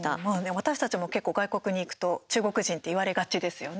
私たちも、結構外国に行くと中国人って言われがちですよね。